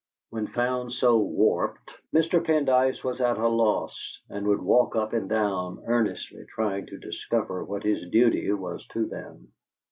When found so warped, Mr. Pendyce was at a loss, and would walk up and down, earnestly trying to discover what his duty was to them.